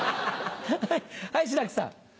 はい志らくさん。